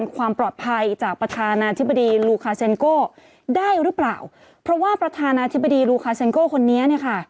ความว่าประธานาธิบดีลูคาเซ็นโกคนนี้